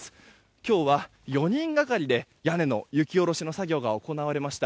今日は４人がかりで屋根の雪下ろしの作業が行われました。